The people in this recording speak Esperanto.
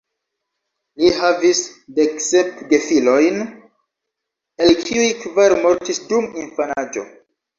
Li havis deksep gefilojn, el kiuj kvar mortis dum infanaĝo.